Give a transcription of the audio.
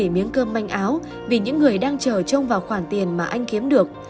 miếng cơm manh áo vì những người đang chờ trông vào khoản tiền mà anh kiếm được